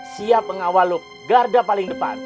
siap mengawal lu garda paling depan